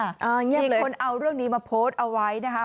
มีคนเอาเรื่องนี้มาโพสต์เอาไว้นะคะ